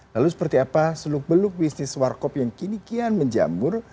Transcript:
lalu seperti apa seluk beluk bisnis warkop yang kini kian menjambur